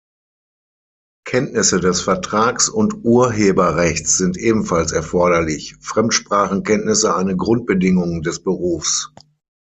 Kenntnisse des Vertrags- und Urheberrechts sind ebenfalls erforderlich, Fremdsprachenkenntnisse eine Grundbedingung des Berufs.